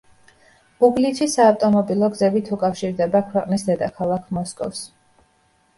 უგლიჩი საავტომობილო გზებით უკავშირდება ქვეყნის დედაქალაქ მოსკოვს.